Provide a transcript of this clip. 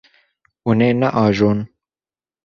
Hûn ê neajon.